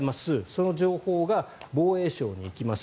その情報が防衛省に行きます。